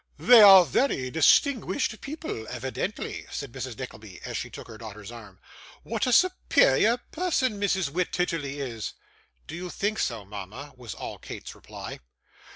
'They are very distinguished people, evidently,' said Mrs. Nickleby, as she took her daughter's arm. 'What a superior person Mrs. Wititterly is!' 'Do you think so, mama?' was all Kate's reply.